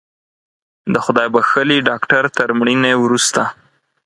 د خدای بښلي ډاکتر تر مړینې وروسته